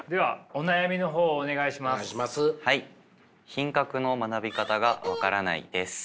品格の学び方が分からないです。